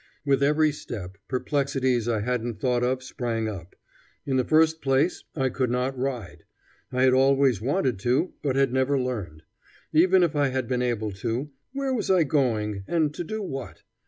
With every step, perplexities I hadn't thought of sprang up. In the first place, I could not ride. I had always wanted to, but had never learned. Even if I had been able to, where was I going, and to do what?